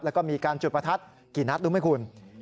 แล้วก็มีการจุดประทัดกี่นัดรู้ไหมคุณ